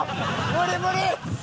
無理無理！